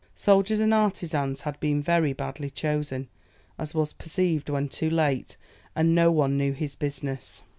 Soldiers and artisans had been very badly chosen, as was perceived when too late, and no one knew his business.